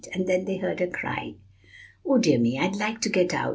And then they heard a cry, 'Oh, dear me, I'd like to get out!